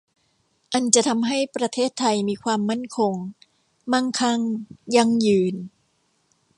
อันจะทำให้ประเทศไทยมีความมั่นคง มั่งคั่ง ยั่งยืน